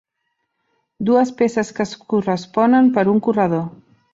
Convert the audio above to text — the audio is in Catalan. Dues peces que es corresponen per un corredor.